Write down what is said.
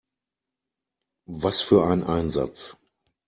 Was für ein Einsatz!